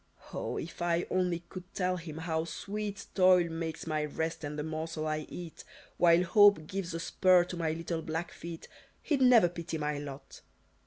"Oh! if I only could tell him how sweet Toil makes my rest and the morsel I eat, While hope gives a spur to my little black feet, He'd never pity my lot!